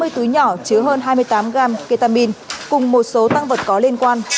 ba mươi túi nhỏ chứa hơn hai mươi tám gram ketamine cùng một số tăng vật có liên quan